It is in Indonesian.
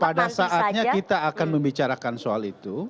pada saatnya kita akan membicarakan soal itu